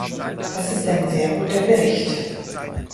Das ist ein sehr guter Bericht.